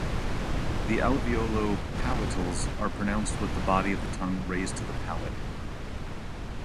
The alveolo-palatals are pronounced with the body of the tongue raised to the palate.